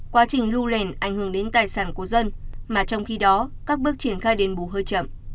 quá trình lưu lèn ảnh hưởng đến tài sản của dân mà trong khi đó các bước triển khai đền bù hơi chậm